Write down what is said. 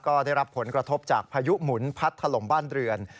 ก็ได้รับผลกระทบจากพายุหมุนพัดถล่มบ้านเรือน